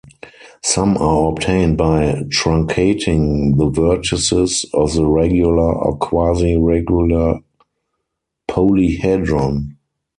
Some are obtained by truncating the vertices of the regular or quasi-regular polyhedron.